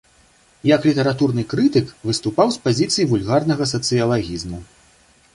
Як літаратурны крытык выступаў з пазіцый вульгарнага сацыялагізму.